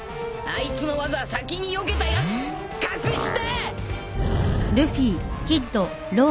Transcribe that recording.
あいつの技先によけたやつ格下！